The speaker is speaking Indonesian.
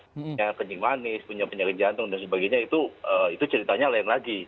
punya kencing manis punya penyakit jantung dan sebagainya itu ceritanya lain lagi